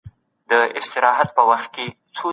د وینې جوړولو لپاره ځانګړي تخنیکونه کارول کېږي.